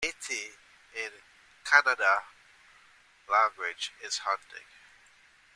Betae in Kannada language is hunting.